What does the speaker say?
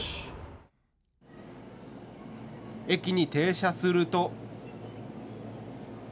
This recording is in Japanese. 駅に停車すると。